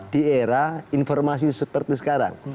di era informasi seperti sekarang